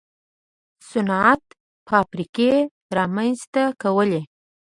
صنعت فابریکې رامنځته کولې.